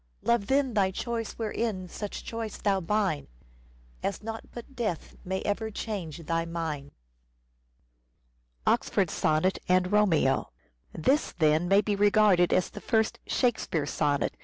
Love then thy choice wherein such choice thou bind As nought but death may ever change thy mind. This, then, may be regarded as the first " Shake speare " sonnet.